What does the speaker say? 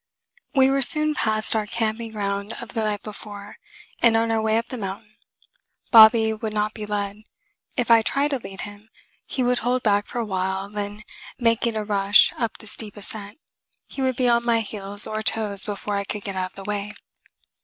We were soon past our camping ground of the night before, and on our way up the mountain. Bobby would not be led; if I tried to lead him, he would hold back for a while, then, making a rush up the steep ascent, he would be on my heels or toes before I could get out of the way.